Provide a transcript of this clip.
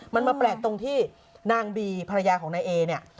มันมาแปลกตรงที่นางบีภรรยาของนายเอเนี่ย